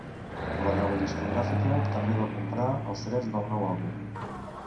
La nova discogràfica també va comprar els drets del nou àlbum.